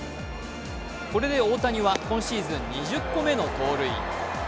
これで大谷は今シーズン２０個目の盗塁。